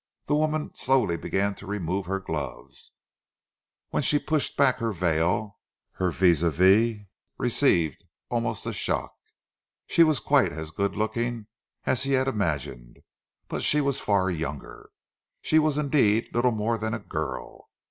The woman slowly began to remove her gloves. When she pushed back her veil, her vis a vis received almost a shock. She was quite as good looking as he had imagined, but she was far younger she was indeed little more than a girl.